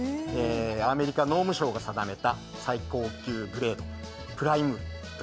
アメリカ農務省が定めた最高級グレード、プライム